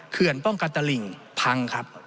เขื่อนป้องกัตตริ่งพังครับ